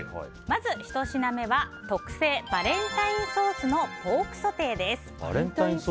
まず１品目は特製バレンタインソースのポークソテーです。